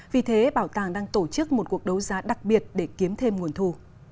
vì thế bảo tàng đang tổ chức một cuộc đấu giá đặc biệt để kiếm thêm nguồn thu